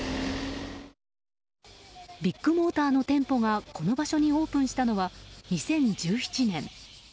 ビッグモーターの店舗がこの場所にオープンしたのは２０１７年。